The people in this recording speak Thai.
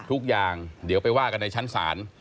ทุกอย่างเดี๋ยวไปว่ากันในชั้นศาล